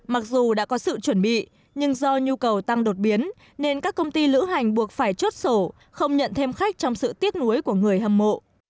mặc dù đã có sự chuẩn bị nhưng do nhu cầu tăng đột biến nên các công ty lữ hành buộc phải chốt sổ không nhận thêm khách trong sự tiếc nuối của người hâm mộ